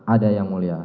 ada yang mulia